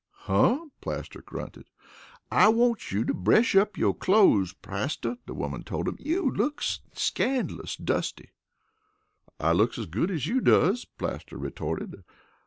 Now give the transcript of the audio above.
"Huh," Plaster grunted. "An I wants you to brush up yo' clothes, Plaster," the woman told him. "You looks scandalous dusty." "I looks as good as you does," Plaster retorted.